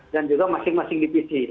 dan juga masing masing di pc